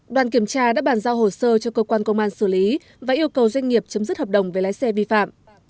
đoàn kiểm tra đã bàn giao hồ sơ cho cơ quan công an xử lý và yêu cầu doanh nghiệp chấm dứt hợp đồng về lái xe vi phạm